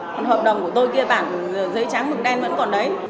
còn hợp đồng của tôi kia bản giấy trắng mực đen vẫn còn đấy